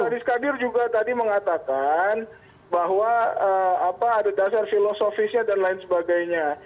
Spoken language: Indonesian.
mas adis kadir juga tadi mengatakan bahwa ada dasar filosofisnya dan lain sebagainya